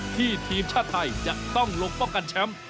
ทีมชาติไทยจะต้องลงป้องกันแชมป์